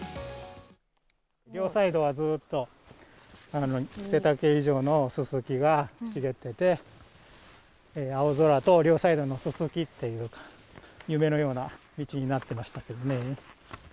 両サイドはずっと、背丈以上のススキが茂ってて、青空と両サイドのススキっていう、夢のような道になってましたけどね。